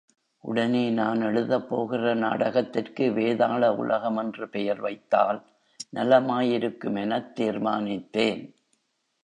உடனே நான் எழுதப் போகிற நாடகத்திற்கு வேதாள உலகம் என்று பெயர் வைத்தால் நலமாயிருக்கு மெனத் தீர்மானித்தேன்.